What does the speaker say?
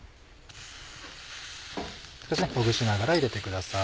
ほぐしながら入れてください。